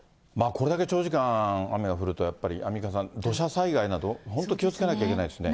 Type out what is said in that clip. これだけ長時間雨が降ると、やっぱりアンミカさん、土砂災害など、本当気をつけなきゃいけないですね。